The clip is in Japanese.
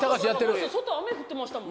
外雨降ってましたもん